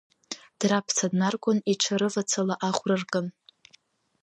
Драԥца днаргон, иҽы рывацала аӷәра ркын.